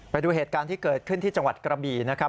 ไปดูเหตุการณ์ที่เกิดขึ้นที่จังหวัดกระบี่นะครับ